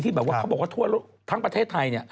ที่แบบว่าเขาบอกว่าทั้งประเทศไทยเนี่ย